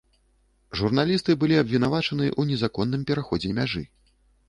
Журналісты былі абвінавачаны ў незаконным пераходзе мяжы.